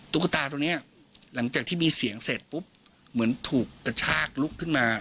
ตุ๊กตาตรงนี้หลังจากที่มีเสียงเสร็จปุ๊บเหมือนถูกกระชากลุกขึ้นมา